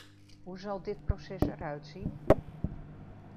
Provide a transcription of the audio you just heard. Hoe zal dit proces eruit zien?